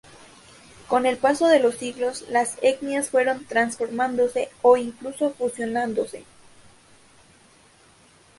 Con el paso de los siglos las etnias fueron transformándose o incluso fusionándose.